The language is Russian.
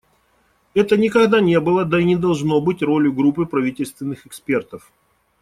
Это никогда не было, да и не должно быть ролью группы правительственных экспертов.